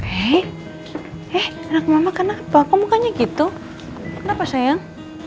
eh eh anak mama kenapa kok mukanya gitu kenapa sayang